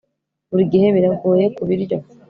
Buri gihe biragoye kubiryo